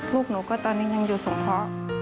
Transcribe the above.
ลูกหนูตอนนี้ก็ยังอยู่สมพะ